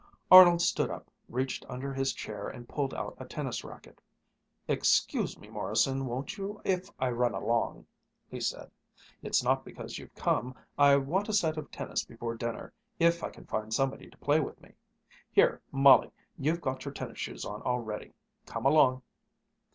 Arnold stood up, reached under his chair, and pulled out a tennis racquet. "Excuse me, Morrison, won't you, if I run along?" he said. "It's not because you've come. I want a set of tennis before dinner if I can find somebody to play with me. Here, Molly, you've got your tennis shoes on already. Come along."